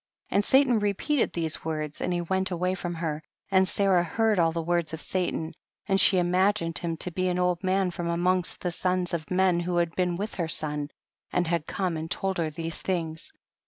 78. And Satan repeated these words, and he went away from her, and Sarah heard all the words of Satan, and she imagined him to be an old man from amongst the sons of men who had been with her son, and had come and told her these things.